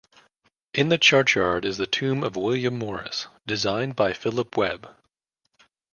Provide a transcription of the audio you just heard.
In the churchyard is the tomb of William Morris, designed by Philip Webb.